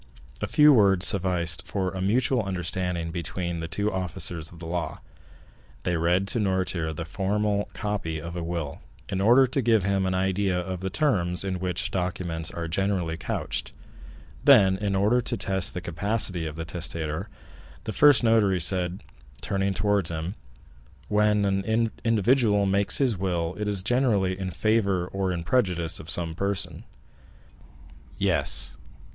A few words sufficed for a mutual understanding between the two officers of the law. They read to Noirtier the formal copy of a will, in order to give him an idea of the terms in which such documents are generally couched; then, in order to test the capacity of the testator, the first notary said, turning towards him: "When an individual makes his will, it is generally in favor or in prejudice of some person." "Yes."